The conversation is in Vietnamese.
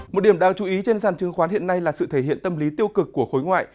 một điểm đáng chú ý trên sàn chứng khoán hiện nay là sự thể hiện tâm lý tiêu cực của khối ngoại